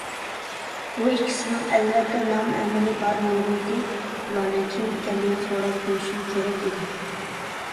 بۇ ئىككىسىنىڭ ئەلۋەتتە نام - ئەمىلى بار بولغىيدى، ئۇلارنىڭ كىم ئىكەنلىكىنى سوراپ كۆرۈشۈم كېرەك ئىدى.